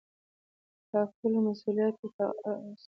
د ټاکلو مسووليت يې پر غاړه اخىستى.